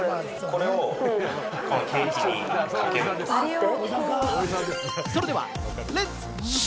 これをケーキにかけるんですよ。